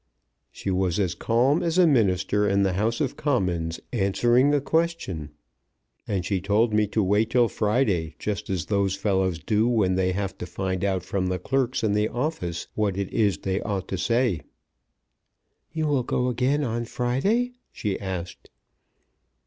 She was as calm as a Minister in the House of Commons answering a question; and she told me to wait till Friday just as those fellows do when they have to find out from the clerks in the office what it is they ought to say." "You will go again on Friday?" she asked.